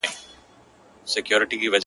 خالقه ژوند مي نصیب مه کړې د پېغور تر کلي!!